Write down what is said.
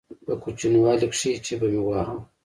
په کوچنيوالي کښې چې به مې واهه.